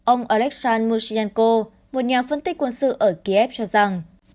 ông aleksandr mushchenko một nhà phân tích quân sự ở kiev cho rằng